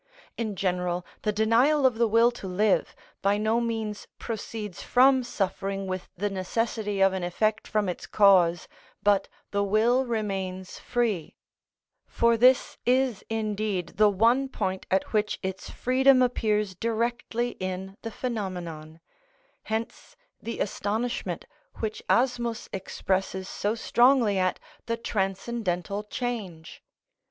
In general, the denial of the will to live by no means proceeds from suffering with the necessity of an effect from its cause, but the will remains free; for this is indeed the one point at which its freedom appears directly in the phenomenon; hence the astonishment which Asmus expresses so strongly at the "transcendental change."